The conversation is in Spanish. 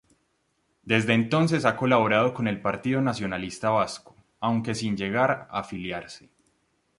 Desde entonces ha colaborado con el Partido Nacionalista Vasco, aunque sin llegar a afiliarse.